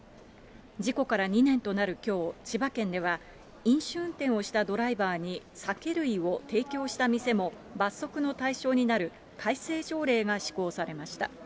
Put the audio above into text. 事故から２年となるきょう、千葉県では飲酒運転をしたドライバーに酒類を提供した店も罰則の対象になる改正条例が施行されました。